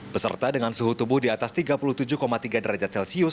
peserta dengan suhu tubuh di atas tiga puluh tujuh tiga derajat celcius